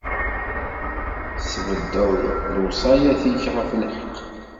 Tesbeddeḍ lewṣayat-ik ɣef lḥeqq.